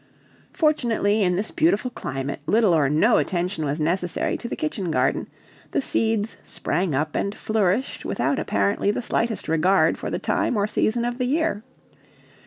Fortunately, in this beautiful climate little or no attention was necessary to the kitchen garden, the seeds sprang up and nourished without apparently the slightest regard for the time or season of the year.